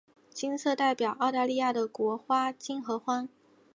金色代表澳大利亚的国花金合欢。